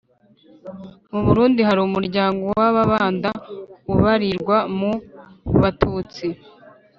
mu burundi hari umuryango w'ababanda ubarirwa mu batutsi